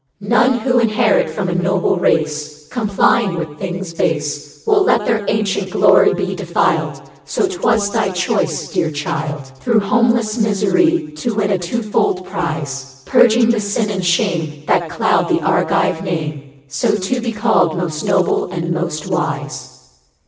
None who inherit from a noble race, II 1 Complying with things base Will let their ancient glory be defiled. So 'twas thy choice, dear child, Through homeless misery to win a two fold prize, Purging the sin and shame That cloud the Argive name, So to be called most noble and most wise.